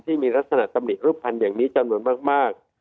ที่มีลักษณะตำหนิรูปภัณฑ์อย่างนี้จำนวนมาก